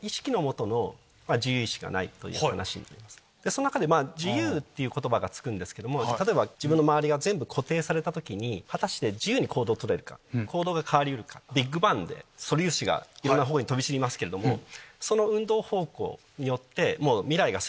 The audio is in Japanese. その中で「自由」っていう言葉が付くんですけど例えば自分の周りが全部固定された時に果たして自由に行動をとれるか行動が変わり得るか。がいろんなほうに飛び散りますけれどもその運動方向によってもう。